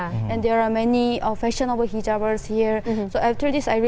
dan ada banyak pakaian hijab yang berkualitas di sini